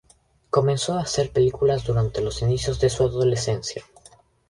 Comenzó a hacer películas durante los inicios de su adolescencia.